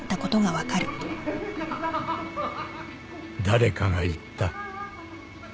［誰かが言った］